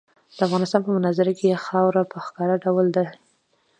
د افغانستان په منظره کې خاوره په ښکاره ډول دي.